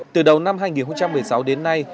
từ đầu năm hai nghìn một mươi sáu đến nay